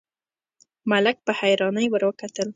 ملک په حيرانۍ ور وکتل: